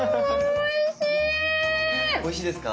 おいしいですか？